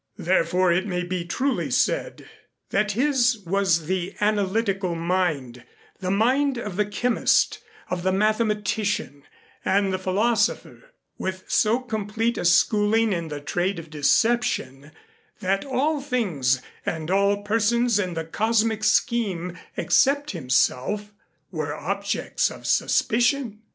Therefore it may be truly said that his was the analytical mind, the mind of the chemist, of the mathematician, and the philosopher, with so complete a schooling in the trade of deception that all things and all persons in the cosmic scheme except himself were objects of suspicion.